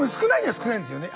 少ないんですかね。